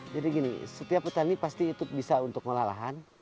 jadi gini setiap petani pasti itu bisa untuk olah lahan